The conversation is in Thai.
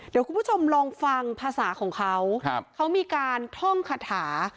เดี๋ยวคุณผู้ชมลองฟังภาษาของเขาเขามีการท่องคาถา